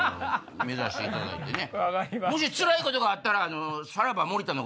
目指していただいてね。